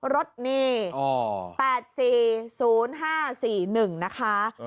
รถนี่๘๔๐๕๔๑นะคะ